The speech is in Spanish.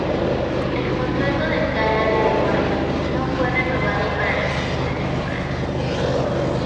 El contrato de Kara DioGuardi no fue renovado para la siguiente temporada.